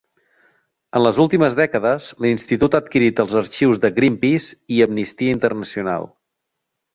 En les últimes dècades l'Institut ha adquirit els arxius de Greenpeace i Amnistia Internacional.